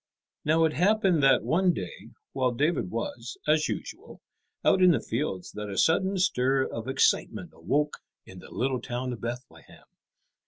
Now it happened that one day while David was, as usual, out in the fields that a sudden stir of excitement awoke in the little town of Bethlehem.